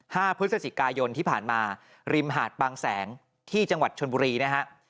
พฤศจิกายนที่ผ่านมาริมหาดบางแสงที่จังหวัดชนบุรีนะฮะ